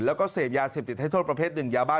แล้วก็เสพยาเสพติดให้โทษประเภทหนึ่งยาบ้า